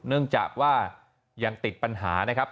เนื่องจากว่ายังติดปัญหานะครับ